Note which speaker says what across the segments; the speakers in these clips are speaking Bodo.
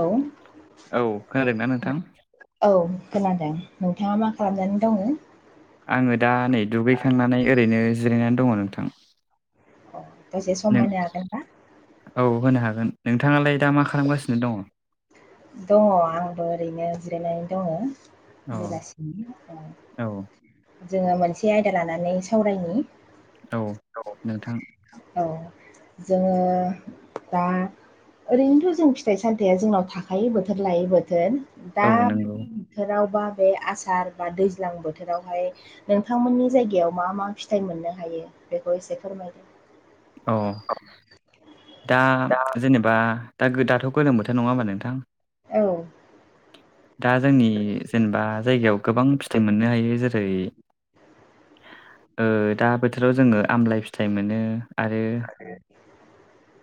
Speaker 1: औ।
Speaker 2: औ खोनादोंना नोंथां।
Speaker 1: औ खोनादों नोंथाङा मा खालामनानै दङ।
Speaker 2: आङो दा नै दुगैखांनानै ओरैनो जिरायनानै दङ नोंथां।
Speaker 1: अ दसे सम
Speaker 2: नों
Speaker 1: मोननो हागोन ना?
Speaker 2: औ होनो हागोन नोंथाङालाय दा मा खालामगासिनो दङ।
Speaker 1: दङ आंबो ओरैनो जिरायनानै दङ।
Speaker 2: औ
Speaker 1: बेलासिनि दं
Speaker 2: औ
Speaker 1: जोङो मोनसे आयदा लानानै सावरायनि।
Speaker 2: औ नोंथां
Speaker 1: औ। जोङो दा ओरैनोथ' जों फिथाइ सामथाइया जोंनाव थाख खायो बोथोर लायै बोथोर दा
Speaker 2: औ नंगौ
Speaker 1: बोथोरावबा बे आसार बा दैज्लां बोथोरावहाय नोंथांमोननि जायगायाव मा मा फिथाइ मोननो हायो बेखौ एसे फोरमायदों।
Speaker 2: औ दा जेनेबा दा दाथ' गोजां बोथोर नङा होमबा नोंथां।
Speaker 1: औ।
Speaker 2: दा जोंनि जेनेबा जायगायाव गोबां फिथाइ मोननो हायो जेरै ओ दा बोथोराव जोङो आमलाइ फिथाइ मोनो आरो।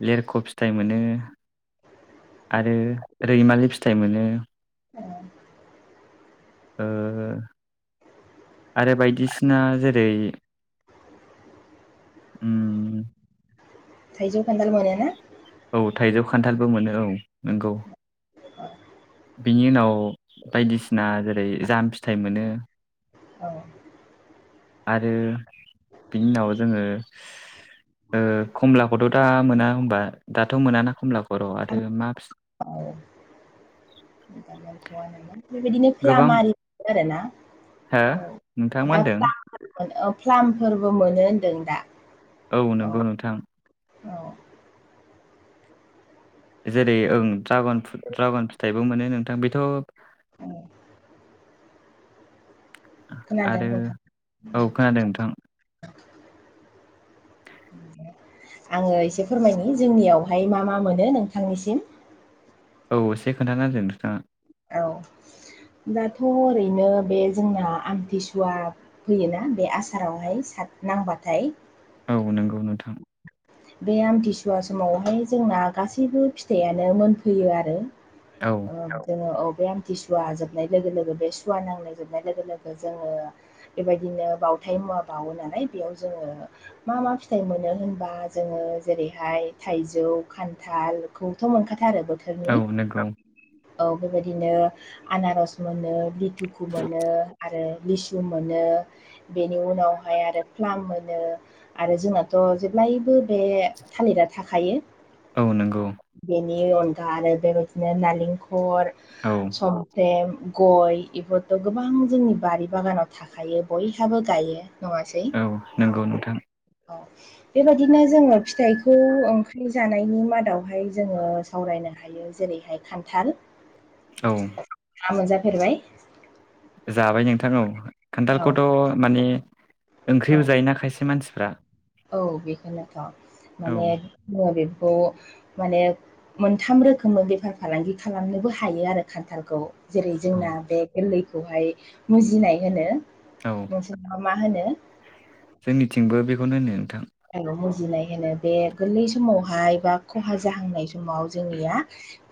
Speaker 2: लेरख' फिथाइ मोनो। आरो रैमालि फिथाइ मोनो।
Speaker 1: औ।
Speaker 2: ओ आरो बायदिसिना जेरै उम
Speaker 1: थाइजौ खानथाल मोनो
Speaker 2: औ थाइजौ खान्थालबो मोनो आरो नंगौ। बिनि उनाव बायदिसिना जेरै जाम फिथाइ मोनो।
Speaker 1: औ।
Speaker 2: आरो बिनि उनाव जोङो। ओ खमलाखौथ' दा मोना होनबा दाथ' मोनाना खमलाखौ र' आरो मा फिथाइ।
Speaker 1: बेबादिनो
Speaker 2: गोबां
Speaker 1: फ्लाम आरि मोनो आरोना
Speaker 2: हो नोंथां मा होन्दों?
Speaker 1: फ्लामफोरबो मोनो होनदों दा
Speaker 2: औ नंगौ नोंथां।
Speaker 1: औ।
Speaker 2: जेरै ओं ड्रागन फु ड्रागन फिथायाइबो मोनो नोंथां बेथ'
Speaker 1: [unintelligible] खोनादों
Speaker 2: आरो
Speaker 1: नोंथां।
Speaker 2: औ खोनादों नोंथां
Speaker 1: आङो एसे फोरमायनि जोंनियावहाय मा मा मोनो नोंथांनिसिम।
Speaker 2: औ एसे खोन्थाना होगोन नोंथाङा।
Speaker 1: औ दाथ' ओरैनो बे जोंना आमथिसुवा होयोना बे आसारा सार नांबाथाय
Speaker 2: औ नोंगौ नोंथां।
Speaker 1: बे आमथिसुवा समावहाय जोंना गासैबो फिथाइयानो मोनफैयो आरो।
Speaker 2: औ
Speaker 1: जोङो अबे आमथि सुवा जोबनाय लोगो लोगो बे सुवा नांनाय जोबनाय लोगो लोगो जोङो बेबायदिनो बावथाय मुवा बाउओ नालाय बेयाव जोङो मा मा फिथाइ मोनो होनबा? जोङो जेरैहाय थाइजौ खान्थाल खौथ' मोनखाथारो बोथोरनि औ। औ बेबायदिनो आनारस मोनो लितिकु मोनो आरो लिसु मोनो। बेनि उनावहाय आरो फ्लाम मोनो। आरो जोंनाथ' जेब्लायबो बे थालिरा थाखायो।
Speaker 2: औ नोंगौ
Speaker 1: बेनि अनगा आरो बेबायदिनो नालिंखर
Speaker 2: औ
Speaker 1: समफ्रेम गय इफोरथ' गोबां जोंनि बारि बागानाव थां बयहाबो गायो नङासै
Speaker 2: औ नंगौ नोंथां
Speaker 1: ओं। बिदिनो जोङो फिथाइखौ ओंख्रि जानायनि मादावहाय जोङो सावरायनो हायो। जेरैहाय खान्थाल।
Speaker 2: औ
Speaker 1: ना मोनजाफेरबाय?
Speaker 2: जाबाय नोंथां औ
Speaker 1: औ
Speaker 2: खान्थालखौथ' माने
Speaker 1: औ
Speaker 2: ओंख्रिबो जायोना खायसे मानसिफ्रा।
Speaker 1: औ बेखौनोथ'
Speaker 2: औ
Speaker 1: माने जोङो बेखौ माने। मोनथाम रोखोमै बेफार फालांगि खालामनोबो हायो आरो खान्थालखौ। जेरै
Speaker 2: औ
Speaker 1: जोंना बे गोरलैखौहाय मुजिनाय होनो।
Speaker 2: औ
Speaker 1: नोंसोरबा मा होनो?
Speaker 2: जोंनिथिंबो बेखौनो होनो। नोंथां
Speaker 1: मुजिनाय होनो बे गोरलै समावहाय बा खहा जाहांनाय समाव जोंनिया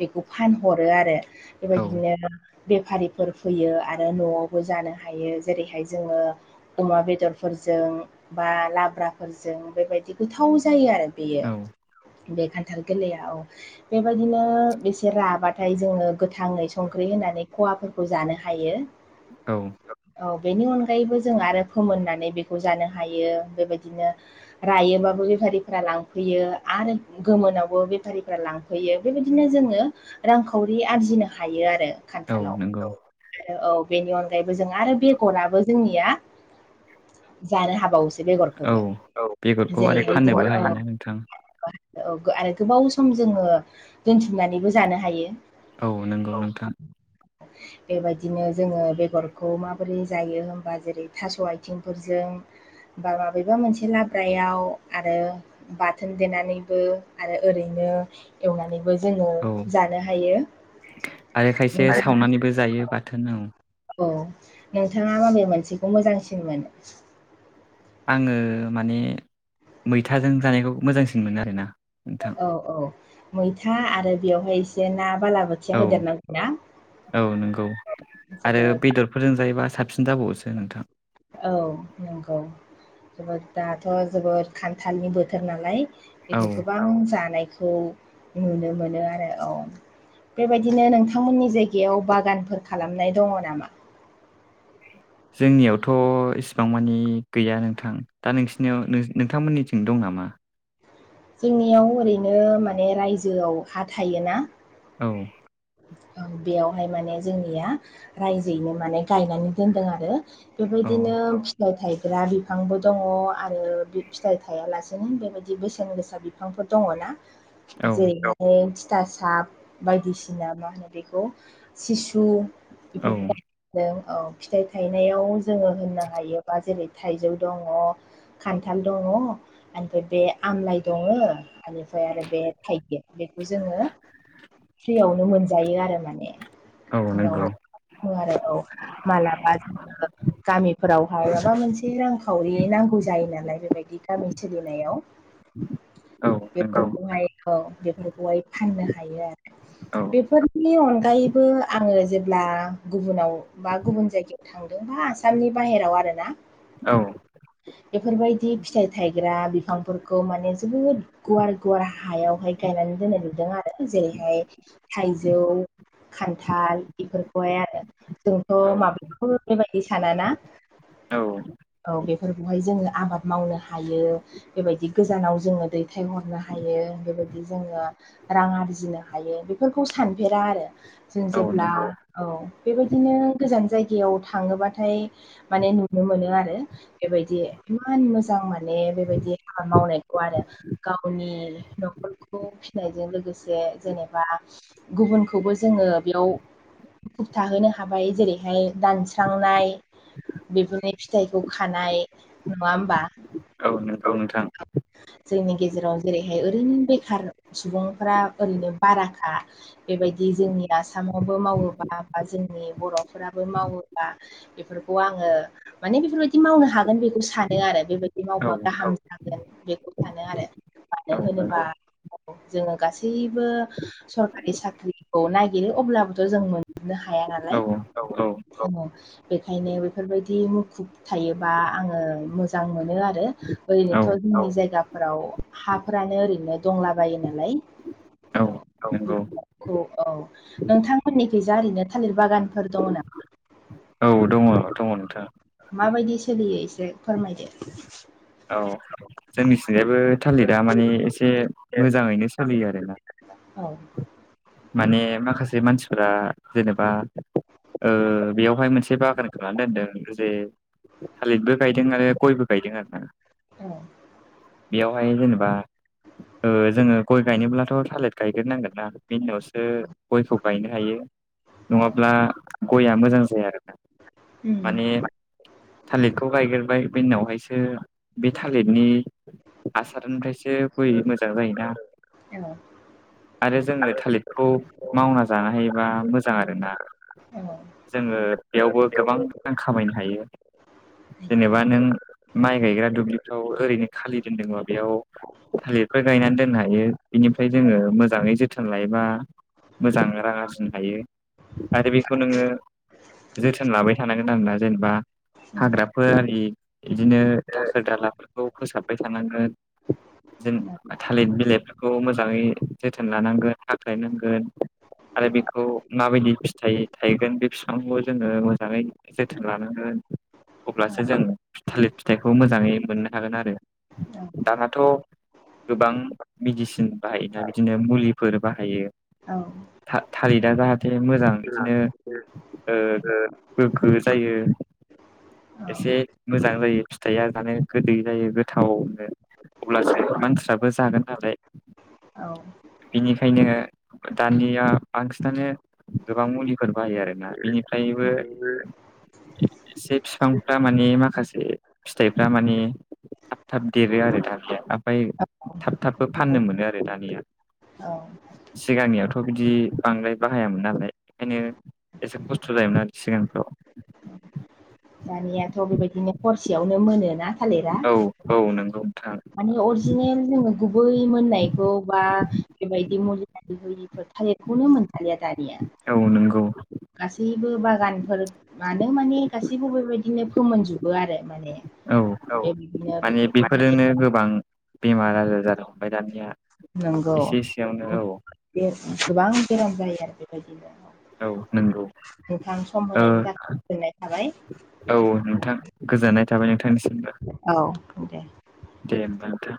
Speaker 1: बेखौ फानहरो आरो
Speaker 2: औ
Speaker 1: बेबायदिनो बेफारिफोर फैयो आरो न'आवबो जानो हायो। जेरैहाय जोंङो अमा बेदरफोरजों बा लाब्राफोरजों जों बेबायदि गोथाव जायो। आरो
Speaker 2: औ
Speaker 1: बेयो बे खान्थाल गोरलैयाव बेबायदिनो एसे राबाथाय जोंङो‌ गोथाङै संख्रि होनानै खहाफोर खौ जानो हायो।
Speaker 2: औ
Speaker 1: औ बेनि अनगायैबो जों आरो फोमोननानै बेखौ जानो हायो। बेबायदिनो रायोबाबो बेफारिफोरा लांफैयो आरो गोमोनावबो बेफारिफोरा लां होयो बेबायदिनो जोंङो रांखावरि आरजिनो हायो आरो
Speaker 2: औ
Speaker 1: खान्थालाव।
Speaker 2: नंगौ
Speaker 1: आरो औ बेनि अनगायैबो जों आरो बेगराबो जोंनिया जानो हाबाव
Speaker 2: औ
Speaker 1: बेगरखोबो।
Speaker 2: बेगरखौ आरो फाननोबो हायोना नोंथां?
Speaker 1: औ ओ आरो गोबाव सम जोङो दोनथुमनानैबो जानो हायो।
Speaker 2: औ नोंगौ नोंथां।
Speaker 1: [unintelligible] बेबायदिनो जोंङो बेगरखौ माबोरै जायो होनबा? जेरै थास' आयथेंफोरजों होनबा बाबेबा मोनसे लाब ख्रायाव आरो बाथोन देनानैबो आरो ओरैनो एवनानैबो जोंङो
Speaker 2: औ
Speaker 1: जानो हायो।
Speaker 2: आरो खायसे सावनानैबो जायो बाथोनाव
Speaker 1: औ नोंथांङा माबे मोनसेखौ मोजांसिन मोनो।
Speaker 2: आङो माने मैथाजों जानायखौ मोजांसिन मोनो आरोना नोंथां।
Speaker 1: औ औ मैथा आरो बेवहाय एसे ना बालाबो
Speaker 2: औ औ नंगौ आरो
Speaker 1: जोबोद
Speaker 2: बेदर बे फोरजों जायोबा साबसिन जाबावोसो नोंथां
Speaker 1: औ नंगौ जोबोद दाथ' जोबोद खानथालनि बोथोर नालाय बेखौ
Speaker 2: औ
Speaker 1: गोबां जानायखौ नुनो मोनो आरो औ बेबायदिनो नोंथांमोननि जायगायाव बागानफोर खालामनाय दंङो नामा
Speaker 2: जोंनियावथ' इसिबां मानि गैया नोंथां दा नोंसिनियाव नोंथांमोननिथिं दं नामा?
Speaker 1: जोंनियाव ओरैनो माने रायजोयाव हा थायोना
Speaker 2: औ
Speaker 1: बेयावहाय माने जोंनिया रायजोयैनो माने गायनानै दोनदों आरो
Speaker 2: औ
Speaker 1: बेबायदिनो फिथाय थाइ गा बिफांबो दंङ आरो बे फिथाइ थायालासेनो बेबायदि बेसेन गोसा बिफांफोर दंङ ना [inaudible]
Speaker 2: औ
Speaker 1: जेरैहान थिथासाब बायदिसिना मा होनो बेखौ सिसु
Speaker 2: औ
Speaker 1: [unintelligible] नों औ फिथाइ थायनायाव जोंङो होननो हायोबा जेरै थाइजौ दंङो खानथाल दंङो निफ्राय बे आमलाइ दंङो बेनिफ्राय आरो बे थाइगिर बेखौ जोंङो फ्रियावनो मोनजायो आरो माने
Speaker 2: औ
Speaker 1: जनाव
Speaker 2: नंगौ
Speaker 1: [unintelligible] आरोबाव मालाबा जोङो गामिफोरावहाय माबा मोनसे रांखावरि नांगौ जायो नालाय बेबायदि गामि सोलिनायाव
Speaker 2: [inaudible] औ नंगौ
Speaker 1: बेफोरखौहाय औ बेफोरखौहाय फाननो हायो आरो
Speaker 2: औ
Speaker 1: बेफोरनि अनगायैबो आंङो जेब्ला गुबुनाव बा गुबुन जायगायाव थांदोंबा आसामनि बाहेराव आरोना
Speaker 2: औ
Speaker 1: बेफोरबायदि फिथाइ थायग्रा बिफांफोरखौ माने जोबोद गुवार गुवार हायावहाय गायनानै दोननाय नुदों आरो जेरैहाय थाइजौ खानथाल बेफोरखौहाय आरो जोंथ'
Speaker 2: औ
Speaker 1: माब्लाबो बेबायदि सानाना
Speaker 2: औ
Speaker 1: औ बे फोरखौहाय जोङो आबाद मावनो हायो बेबायदि गोजानाव जोङो दैथायहरनो हायो बेबायदि जोङो रां आरजिनो हायो बेफोरखौ सानफेरा आरो जों
Speaker 2: औ
Speaker 1: जेब्ला
Speaker 2: नंगौ
Speaker 1: औ बेबायदिनो गोजान जायगायाव थाङोबाथाय माने नुनो मोनो आरो बेबायदि इमान मोजां माने बेबायदि आबाद मावनायखौ आरो गावनि न'खरखौ फिनायजों लोगोसे जेनेबा गुबुनखौबो जोङो बेयाव मुखुब थाहोनो हाबाय जेरैहाय दानस्रांनाय बेफोरनि फिथाइखौ खानाय नङा होमबा
Speaker 2: औ नंगौ नोंथां
Speaker 1: जोंनि गेजेराव जेरैहाय ओरैनो बेखार सुबुंफ्रा ओरैनो बाराखा बेबायदि जोंनि आसामावबो मावोबा बा जोंनि बर'फोराबो मावोबा बेफोरखौ आङो माने बेफोर बायदि मावनो हागोन बेखौ सानो आरो बेबायदि
Speaker 2: औ
Speaker 1: मावबा गाहाम जागोन बेखौ सानो आरो मानो
Speaker 2: औ
Speaker 1: होनोबा
Speaker 2: नंगौ
Speaker 1: जोङो गासैबो सरका साख्रिखौ नायगिरो अब्लाबोथ' जों मोनजोबनो हाया नालाय
Speaker 2: औ औ
Speaker 1: बेखायनो बेफोरबायदि मुखुब थायोबा आङो मोजां मोनो आरो
Speaker 2: औ
Speaker 1: ओरैनोथ' जोंनि जायगाफोराव हाफ्रानो ओरैनो दंला बायो नालाय औ औ अ औ नोंथांमोननिखैजा ओरैनो थालिर बागानफोर दङ' नामा?
Speaker 2: औ दङ दङ नोंथां
Speaker 1: माबायदि सोलियो एसे फोरमायदो
Speaker 2: औ जोंनिथिंजायबो थालिदा माने एसे मोजाङैनो सोलियो आरोना
Speaker 1: औ
Speaker 2: माने माखासे मानसिफोरा जेनेबा ओ बेयावहाय मोनसे बागान खालायनानै दोनदों जे थालिरबो गायदों आरो गयबो गायदों आरोना
Speaker 1: औ
Speaker 2: बेयावहाय जेनेबा ओ जोङो गय गायनोब्लाथ' थालिर गायग्रोनांगोनना बिनि उनावसो गयखौ गायनो हायो
Speaker 1: औ
Speaker 2: नङाब्ला गया मोजां जाया आरोना
Speaker 1: ओम
Speaker 2: थालिदखौ गायग्रोबाय बेनि उनावहायसो बे थालिदनि हासारनिफ्रायसो गय मोजां जायोना
Speaker 1: औ
Speaker 2: आरो जोङो थालिदखौ
Speaker 1: जों
Speaker 2: मावना जानो हायोबा मोजां आरोना
Speaker 1: औ
Speaker 2: जोङो बेयावबो गोबां रां खामायनो हायो
Speaker 1: हायो हायो
Speaker 2: जेनेबा नों माइ गायग्रा दुब्लिफ्राव ओरैनो खालि दोनदोंबा बेयाव थालिरफोर गायनानै दोननो हायो बिनिफ्राय जोङो मोजाङै जोथोन थोन लायोबा मोजांनो रां आरजिनो हायो आरो बेखौ नोङो जोथोन लाबाय थानांगोन आरोना जेनेबा हाग्राफोर आरि इदिनो
Speaker 1: बिमा
Speaker 2: दाखोर-दालाफोरखौ फोसाबबाय थानांगोन जों थालिद बिलाइफोरखौ मोजाङै जोथोन लानांगोन हाख्लायनांगोन आरो
Speaker 1: बिफा
Speaker 2: बेखौ माबायदि फिथाइ थायगोन बे फिफांखौ जोङो मोजाङै जोथोन लानांगोन
Speaker 1: औ
Speaker 2: अब्लासो जों थालिद फिथाइखौ मोजाङै मोननो हागोन आरो
Speaker 1: औ
Speaker 2: दानाथ' गोबां मिडिसिन बाहायो ना बिदिनो मुलिफोर बाहायो
Speaker 1: औ
Speaker 2: था थालिदा जाहा थे मोजां बिदिनो ओ गोग्गो जायो
Speaker 1: औ
Speaker 2: एसे मोजां जायो फिथाइया जानो गोदै जायो गोथावनो अब्लासो मानसिफ्राबो जागोन नालाय
Speaker 1: औ
Speaker 2: बिनिखायनो दानिया बांसिनानो गोबां मुलिफोर बाहायो आरोना बिनिफ्रायबो इसे फिफांफ्रा माने माखासे फिथाइफ्रा माने थाब थाब देरो आरो दानिया ओमफ्राय थाब थाबबो
Speaker 1: औ
Speaker 2: फाननो मोनो आरो दानिया
Speaker 1: औ
Speaker 2: सिगांनियाथ' बिदि बांद्राय बाहायामोन नालाय ओंखायनो एसे खस्थ' जायोमोन आरो सिगांफ्राव
Speaker 1: दानियाथ' बेबायदिनो हरसेयावनो मोनोना
Speaker 2: औ औ नों नोंगौ नोंथां
Speaker 1: मानि अरिजिनेल जोङो गुबै मोननायखौ बा बेबायदि मुलि आरि होयिफोर थालिरखौनो मोनजालिया दानिया
Speaker 2: औ नोंगौ
Speaker 1: गासैबो बागानफोर मानो माने गासैबो बिदिनो फोमोनजोबो आरो माने औ बे बिदिनो बेफोरखौ जायो
Speaker 2: बेमार-आजार जानो हमबाय दानिया
Speaker 1: नोंगौ
Speaker 2: एसे एसेयावनो औ
Speaker 1: गोबां बेराम जायो आरो
Speaker 2: औ
Speaker 1: बेबायदिनो
Speaker 2: नंगौ
Speaker 1: नोंथां सम
Speaker 2: ओ
Speaker 1: होनायनि थाखाय गोजोननाय थाबाय
Speaker 2: औ नोंथां गोजोननाय थाबाय नोंथांनिसिमबो
Speaker 1: औ दे।
Speaker 2: दे होनबा नोंथां